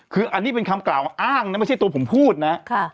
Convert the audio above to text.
คืออันนี้เป็นคำกล่าวอ้างนะไม่ใช่ตัวผมพูดนะ